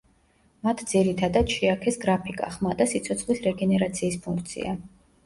მათ ძირითადად შეაქეს გრაფიკა, ხმა და სიცოცხლის რეგენერაციის ფუნქცია.